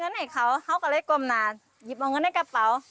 และในปีนี้เธอกำลังจะปิดร้านปะดีและในปีนี้เธอกำลังจะปิดร้านปะดี